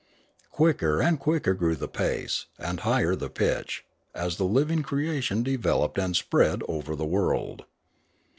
Quicker and quicker grew the* pace, and higher the pitch, as the living creation developed and spread over the world.